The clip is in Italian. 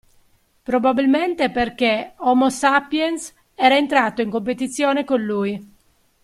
Probabilmente perché Homo Sapiens era entrato in competizione con lui.